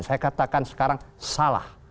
saya katakan sekarang salah